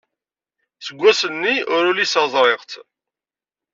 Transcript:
Seg wass-nni ur uliseɣ ẓriɣ-tt.